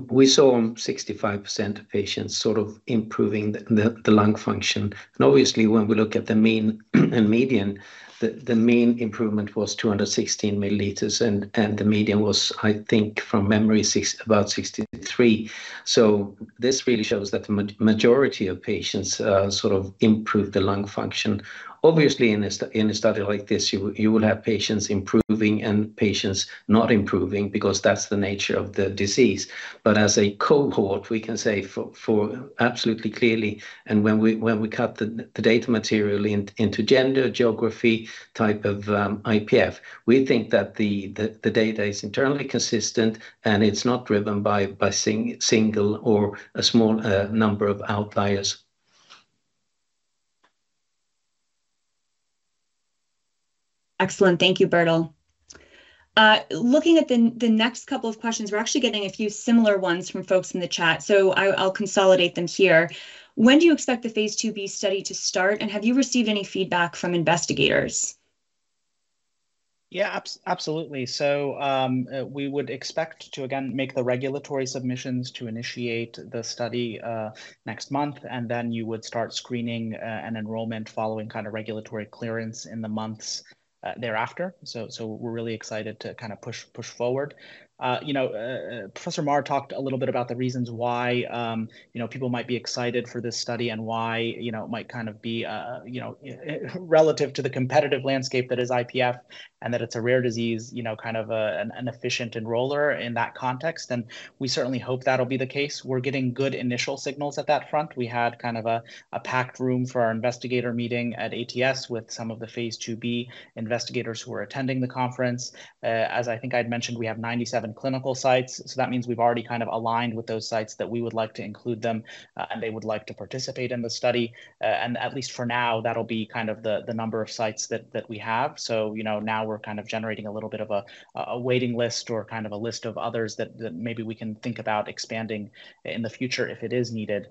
We saw 65% of patients sort of improving the lung function. And obviously, when we look at the mean and median, the mean improvement was 216 milliliters, and the median was, I think, from memory, about 63. So this really shows that the majority of patients sort of improved the lung function. Obviously, in a study like this, you will have patients improving and patients not improving because that's the nature of the disease. But as a cohort, we can say for absolutely, clearly, and when we cut the data material into gender, geography, type of IPF, we think that the data is internally consistent, and it's not driven by single or a small number of outliers. Excellent. Thank you, Bertil. Looking at the next couple of questions, we're actually getting a few similar ones from folks in the chat, so I'll consolidate them here. When do you expect the Phase IIb study to start, and have you received any feedback from investigators? Yeah, absolutely. So, we would expect to, again, make the regulatory submissions to initiate the study, next month, and then you would start screening, and enrollment following kind of regulatory clearance in the months, thereafter. So, we're really excited to kind of push, push forward. You know, Professor Maher talked a little bit about the reasons why, you know, people might be excited for this study and why, you know, it might kind of be, you know, relative to the competitive landscape that is IPF, and that it's a rare disease, you know, kind of a, an efficient enroller in that context, and we certainly hope that'll be the case. We're getting good initial signals at that front. We had kind of a packed room for our investigator meeting at ATS with some of the phase IIb investigators who were attending the conference. As I think I'd mentioned, we have 97 clinical sites, so that means we've already kind of aligned with those sites that we would like to include them, and they would like to participate in the study. And at least for now, that'll be kind of the number of sites that we have. So, you know, now we're kind of generating a little bit of a waiting list or kind of a list of others that maybe we can think about expanding in the future if it is needed.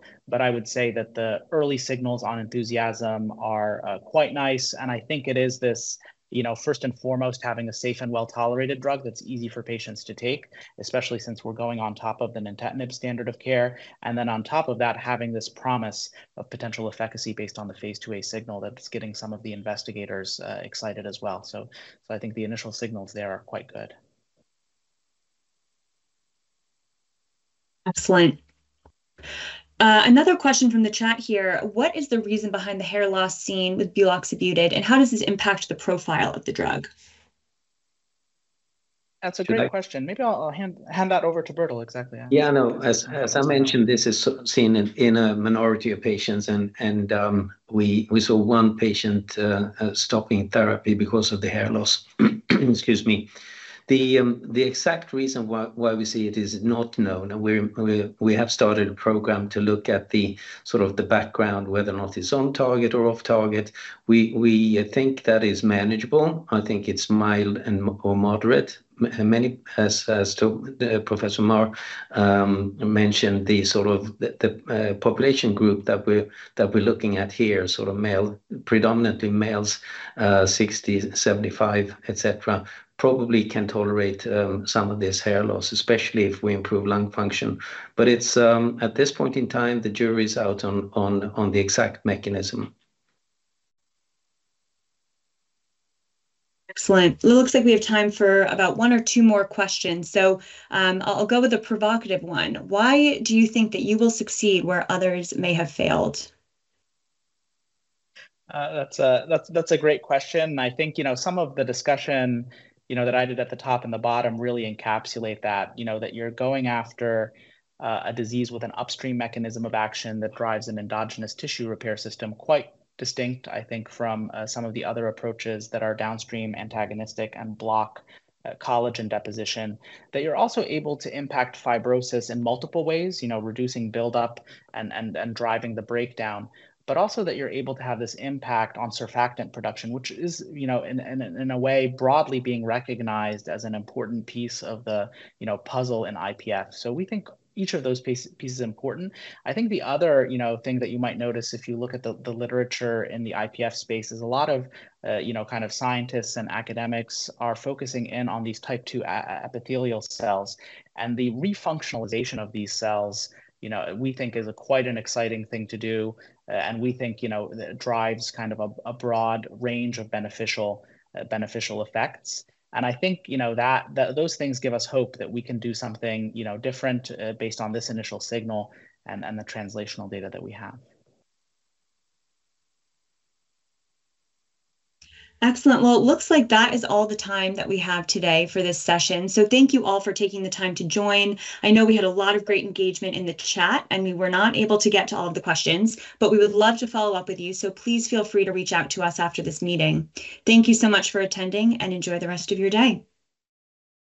I would say that the early signals on enthusiasm are quite nice, and I think it is this, you know, first and foremost, having a safe and well-tolerated drug that's easy for patients to take, especially since we're going on top of the nintedanib standard of care. Then on top of that, having this promise of potential efficacy based on the phase IIa signal, that's getting some of the investigators excited as well. I think the initial signals there are quite good. Excellent. Another question from the chat here: What is the reason behind the hair loss seen with Buloxibutid, and how does this impact the profile of the drug? That's a great question. Should I- Maybe I'll hand that over to Bertil. Exactly, yeah. Yeah, no. As I mentioned, this is seen in a minority of patients, and we saw one patient stopping therapy because of the hair loss. Excuse me. The exact reason why we see it is not known, and we have started a program to look at the sort of the background, whether or not it's on target or off target. We think that is manageable. I think it's mild and or moderate. And as to Professor Maher, mentioned, the sort of the population group that we're looking at here, sort of male- predominantly males, 60, 75, etc., probably can tolerate some of this hair loss, especially if we improve lung function. But it's... At this point in time, the jury is out on the exact mechanism. Excellent. It looks like we have time for about one or two more questions, so, I'll go with a provocative one: Why do you think that you will succeed where others may have failed? That's a great question, and I think, you know, some of the discussion, you know, that I did at the top and the bottom really encapsulate that. You know, that you're going after a disease with an upstream mechanism of action that drives an endogenous tissue repair system, quite distinct, I think, from some of the other approaches that are downstream, antagonistic, and block collagen deposition. That you're also able to impact fibrosis in multiple ways, you know, reducing buildup and driving the breakdown, but also that you're able to have this impact on surfactant production, which is, you know, in a way, broadly being recognized as an important piece of the, you know, puzzle in IPF. So we think each of those pieces is important. I think the other, you know, thing that you might notice if you look at the literature in the IPF space is a lot of, you know, kind of scientists and academics are focusing in on these type II alveolar epithelial cells. And the refunctionalization of these cells, you know, we think is a quite an exciting thing to do, and we think, you know, that drives kind of a broad range of beneficial, beneficial effects. And I think, you know, that, those things give us hope that we can do something, you know, different, based on this initial signal and the translational data that we have. Excellent. Well, it looks like that is all the time that we have today for this session. So thank you all for taking the time to join. I know we had a lot of great engagement in the chat, and we were not able to get to all of the questions, but we would love to follow up with you, so please feel free to reach out to us after this meeting. Thank you so much for attending, and enjoy the rest of your day.